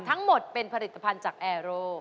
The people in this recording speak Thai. ทั้งหมดเป็นผลิตภัณฑ์จากแอร์โร